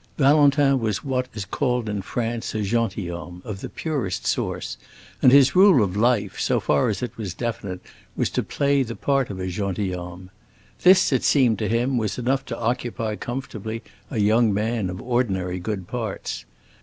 Valentin was what is called in France a gentilhomme, of the purest source, and his rule of life, so far as it was definite, was to play the part of a gentilhomme. This, it seemed to him, was enough to occupy comfortably a young man of ordinary good parts.